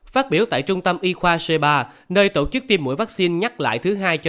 phát biểu tại trung tâm y khoa sheba nơi tổ chức tiêm mũi vaccine nhắc lại thứ hai cho